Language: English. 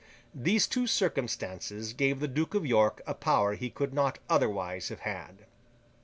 These two circumstances gave the Duke of York a power he could not otherwise have had.